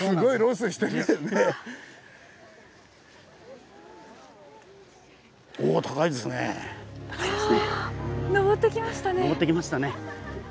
うわ上ってきましたね。